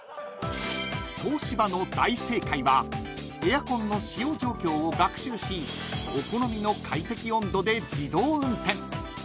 ［東芝の大清快はエアコンの使用状況を学習しお好みの快適温度で自動運転］